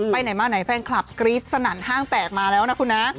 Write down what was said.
ไปไหนมาไหนแฟนคลับกรี๊ดสนั่นห้างแตกมาแล้วนะคุณนะ